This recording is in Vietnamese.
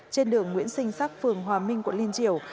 trên đường nguyễn sinh sắc phường hòa minh quận liên triều